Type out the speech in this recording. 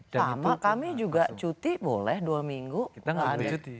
sama kami juga cuti boleh dua minggu